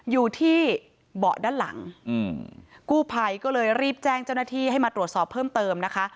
อยู่ที่เบาะด้านหลังอืมกู้ภัยก็เลยรีบแจ้งเจ้าหน้าที่ให้มาตรวจสอบเพิ่มเติมนะคะ